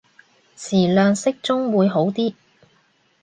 詞量適中會好啲